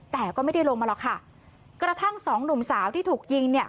แต่ก็ไม่ได้ลงมาหรอกค่ะกระทั่งสองหนุ่มสาวที่ถูกยิงเนี่ย